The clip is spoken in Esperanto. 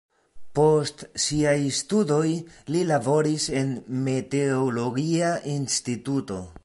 Post siaj studoj li laboris en meteologia instituto.